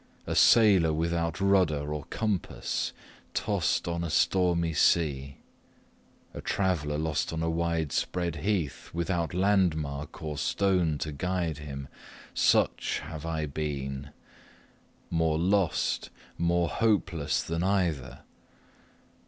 A sailor without rudder or compass, tossed on a stormy sea a traveller lost on a wide spread heath, without landmark or star to him such have I been: more lost, more hopeless than either.